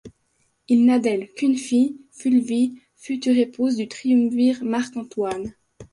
Il n'a d'elle qu'une fille, Fulvie, future épouse du triumvir Marc Antoine.